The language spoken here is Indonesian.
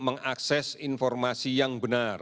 mengakses informasi yang benar